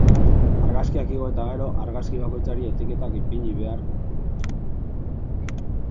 Argazkiak igo eta gero, argazki bakoitzari etiketak ipini behar.